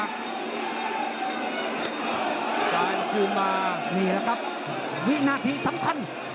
ได้เอาคืนมานี่แหละครับวินาทีสำคัญ